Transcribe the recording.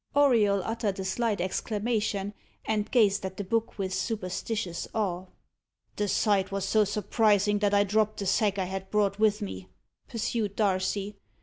Auriol uttered a slight exclamation, and gazed at the book with superstitious awe. "The sight was so surprising that I dropped the sack I had brought with me," pursued Darcy.